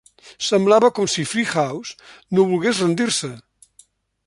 Semblava com si Free House no volgués rendir-se.